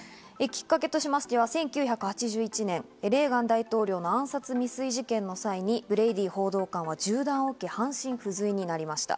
きっかけとしましては１９８１年、レーガン大統領の暗殺未遂事件の際にブレイディ報道官は銃弾を受け、半身不随になりました。